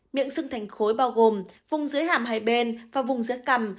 miệng xưng thành khối bao gồm vùng dưới hàm hai bên và vùng dưới cằm